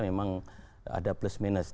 memang ada plus minus